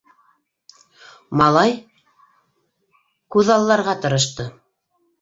Малай күҙалларға тырышты.